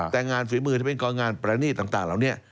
แต่งานฝีมือที่เป็นก็จะเป็นการงานพระนิตต่างเรา